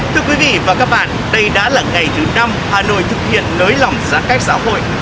thưa quý vị và các bạn đây đã là ngày thứ năm hà nội thực hiện nới lỏng giãn cách xã hội